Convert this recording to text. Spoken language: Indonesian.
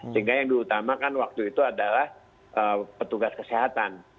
sehingga yang diutamakan waktu itu adalah petugas kesehatan